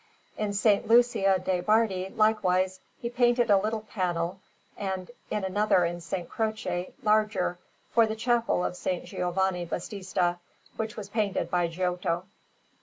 In S. Lucia de' Bardi, likewise, he painted a little panel, and another in S. Croce, larger, for the Chapel of S. Giovanni Battista, which was painted by Giotto.